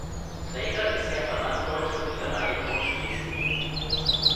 Träger ist der Verband Deutscher Büchereien Nordschleswig.